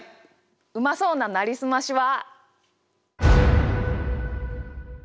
うまそうな「なりすまし」は。